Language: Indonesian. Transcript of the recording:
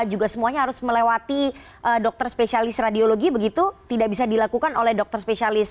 juga semuanya harus melewati dokter spesialis radiologi begitu tidak bisa dilakukan oleh dokter spesialis